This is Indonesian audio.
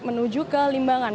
menuju ke limbangan